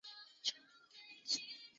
东汉永初元年犍为郡移治武阳县。